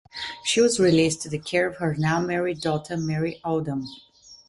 She was released to the care of her now married daughter Mary Aldham.